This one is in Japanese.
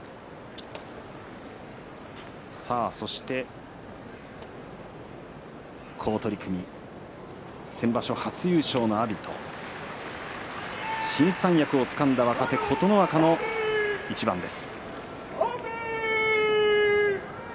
そして好取組先場所、初優勝の阿炎と新三役をつかんだ若手琴ノ若の一番です。